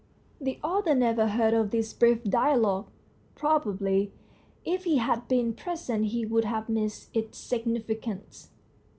The author never heard of this brief dialogue ; probably if he had been present he would have missed its significance.